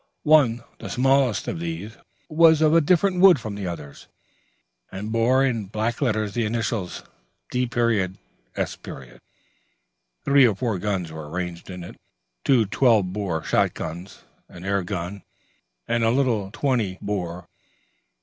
One, the smallest of these, was of a different wood from the others, and bore in black letters the initials D. S. Three or four guns were ranged in it: two 12 bore shot guns, an air gun, and a little 20 bore.